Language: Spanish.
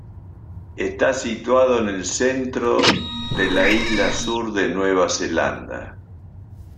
Está situado en el centro de la Isla Sur de Nueva Zelanda.